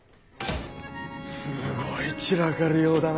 すごい散らかりようだな。